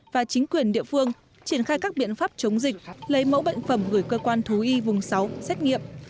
và chính quyền địa phương triển khai các biện pháp chống dịch lấy mẫu bệnh phẩm gửi cơ quan thú y vùng sáu xét nghiệm